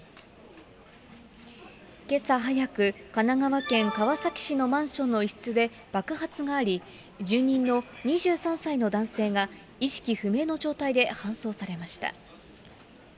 けさ早く、神奈川県川崎市のマンションの一室で爆発があり、住人の２３歳の男性が意識不明の状態で搬送されました。